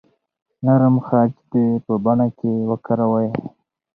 نرم خج دې په بڼه کې وکاروئ.